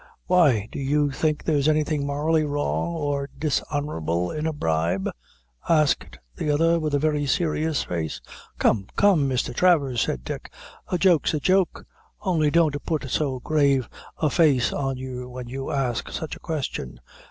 "Why, do you think there's anything morally wrong or dishonorable in a bribe?" asked the other, with a very serious face. "Come, come, Mr. Travers," said Dick, "a joke's a joke; only don't put so grave a face on you when you ask such a question.